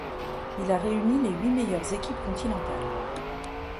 Il a réuni les huit meilleures équipes continentales.